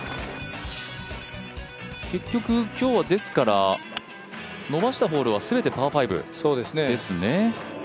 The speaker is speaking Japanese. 結局、今日はですから伸ばしたホールは全てパー５ですね。